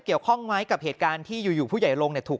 เกี่ยวข้องไหมกับเหตุการณ์ที่อยู่ผู้ใหญ่ลงเนี่ยถูก